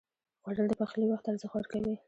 خوړل د پخلي وخت ته ارزښت ورکوي